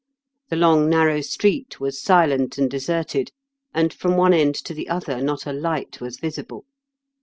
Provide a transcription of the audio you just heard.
" The long narrow street was silent and deserted, and from one end to the other not a light was visible.